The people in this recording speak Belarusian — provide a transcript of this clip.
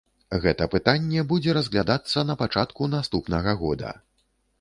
Гэта пытанне будзе разглядацца на пачатку наступнага года.